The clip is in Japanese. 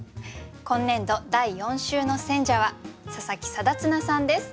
今年度第４週の選者は佐佐木定綱さんです。